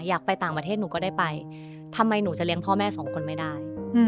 อยากไปต่างประเทศหนูก็ได้ไปทำไมหนูจะเลี้ยงพ่อแม่สองคนไม่ได้